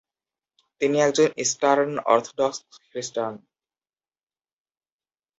তিনি একজন Eastern Orthodox খ্রিস্টান।